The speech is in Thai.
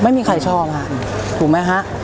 ไม่มีใครชอบฮะถูกไหมฮะ